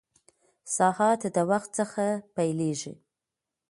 ساعت د وخت څخه پېلېږي.